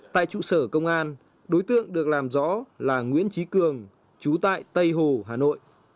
tại trụ sở công an đối tượng được làm rõ là nguyễn trí cường chú tại tây hồ hà nội